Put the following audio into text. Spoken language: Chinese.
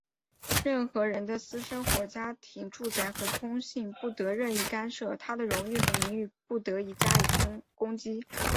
任何人的私生活、家庭、住宅和通信不得任意干涉,他的荣誉和名誉不得加以攻击。